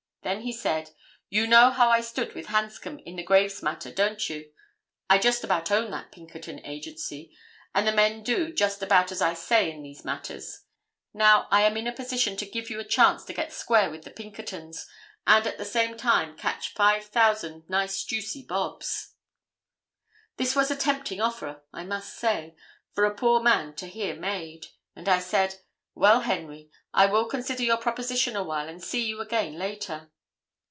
Then he said, 'You know how I stood with Hanscom in the Graves matter, don't you? I just about own that Pinkerton Agency, and the men do just about as I say in these matters. Now, I am in a position to give you a chance to get square with the Pinkertons and at the same time catch 5000 nice juicy bobs.' "This was a tempting offer, I must say, for a poor man to hear made, and I said, 'Well, Henry, I will consider your proposition awhile and see you again later.